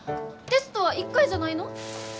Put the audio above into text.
テストは１回じゃないの？